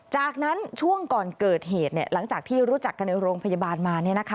จากนั้นช่วงก่อนเกิดเหตุหลังจากที่รู้จักกันในโรงพยาบาลมา